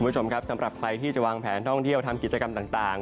สำหรับใครที่จะวางแผนท่องเที่ยวทำกิจกรรมต่าง